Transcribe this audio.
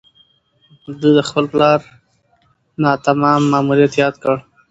ده د خپل پلار ناتمام ماموریت یاد کړ.